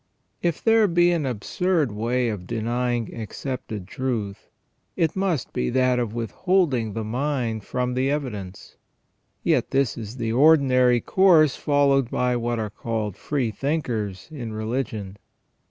IF there be an absurd way of denying accepted truth, it must be that of withholding the mind from the evidence. Yet this is the ordinary course followed by what are called free thinkers in religion.